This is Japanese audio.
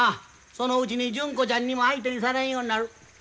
そのうちに純子ちゃんにも相手にされんようになる。